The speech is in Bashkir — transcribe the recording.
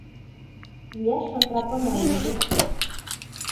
Йә шантрапа Наилде.